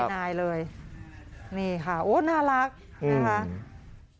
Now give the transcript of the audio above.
อดเป็นเฮนายเลยนี่ค่ะโอ้น่ารักนะฮะ